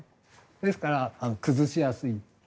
ですから、崩しやすいと。